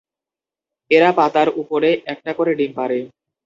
এরা পাতার উপরে একটা করে ডিম পাড়ে।